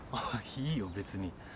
いいよ別に。